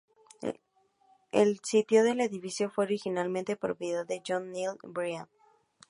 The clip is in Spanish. El sitio del edificio fue originalmente propiedad de John Neely Bryan.